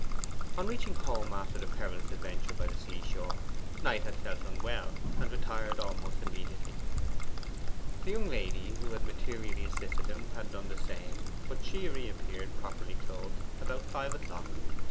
On reaching home after the perilous adventure by the sea shore, Knight had felt unwell, and retired almost immediately. The young lady who had so materially assisted him had done the same, but she reappeared, properly clothed, about five o'clock.